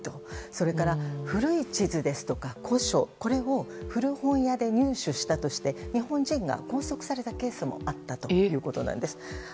それから古い地図や古書も古本屋で入手したとして日本人が拘束されたケースもあったということなんです。